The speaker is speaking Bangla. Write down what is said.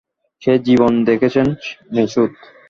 সেই জীবন দেখেছেন মেসুত।